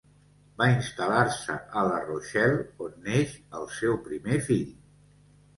Va instal·lar-se a La Rochelle, on neix el seu primer fill.